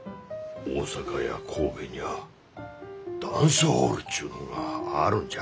大阪や神戸にゃあダンスホールちゅうのんがあるんじゃ。